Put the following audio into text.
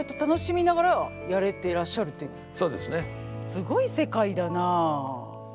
すごい世界だな。